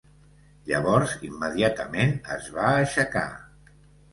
Llavors immediatament es va aixecar.